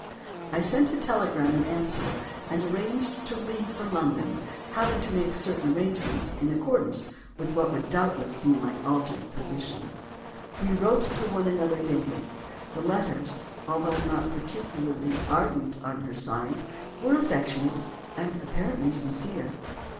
I sent a telegram in answer, and arranged to leave for London, having to make certain arrangements in accordance with what would doubtless be my altered position. "We wrote to one another daily. The letters, though not particularly ardent on her side, were affectionate and apparently sincere.